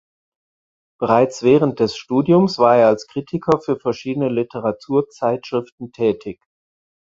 Bereits während des Studiums war er als Kritiker für verschiedene Literaturzeitschriften tätig.